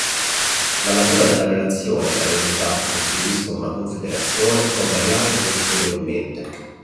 La natura della relazione tra le entità che costituiscono una confederazione può variare considerevolmente.